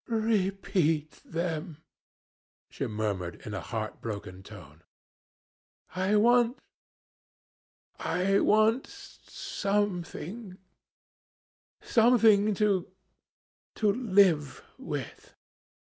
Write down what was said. "'Repeat them,' she said in a heart broken tone. 'I want I want something something to to live with.'